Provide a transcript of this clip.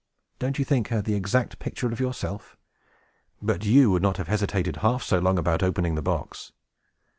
Don't you think her the exact picture of yourself? But you would not have hesitated half so long about opening the box."